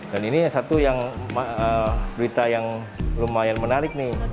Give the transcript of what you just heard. ini satu yang berita yang lumayan menarik nih